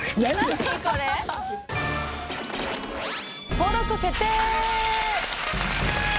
登録決定！